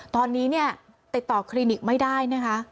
ตอนนี้เนี่ยติดต่อคลินิกไม่ได้นะคะ